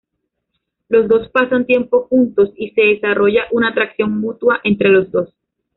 Los dos pasan tiempo juntos, y se desarrolla una atracción mutua entre los dos.